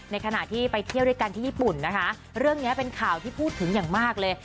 ขณะที่ไปเที่ยวด้วยกันที่ญี่ปุ่นนะคะเรื่องนี้เป็นข่าวที่พูดถึงอย่างมากเลย